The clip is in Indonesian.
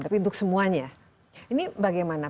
tapi untuk semuanya ini bagaimana